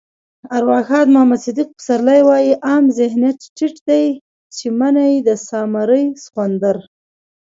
ارواښاد محمد صدیق پسرلی وایي: عام ذهنيت ټيټ دی چې مني د سامري سخوندر.